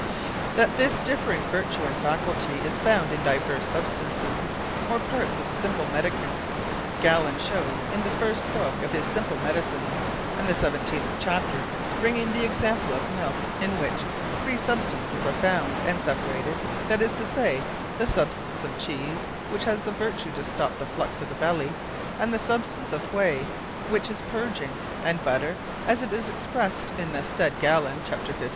That this differing vertue, and faculty, is found in divers substances, or parts of simple Medicaments, Gallen shewes in the first Booke of his simple Medicines, and the seventeenth Chapter, bringing the example of Milke; in which, three substances are found, and separated, that is to say, the substance of Cheese, which hath the vertue to stop the Fluxe of the Belly; and the substance of Whay, which is purging; and Butter, as it is expressed in the said Gallen, _Cap. 15.